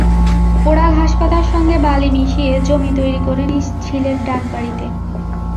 পোড়া ঘাসপাতার সঙ্গে বালি মিশিয়ে জমি তৈরি করে নিস ঝিলের ডান পাড়িতে।